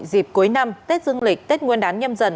dịp cuối năm tết dương lịch tết nguyên đán nhâm dần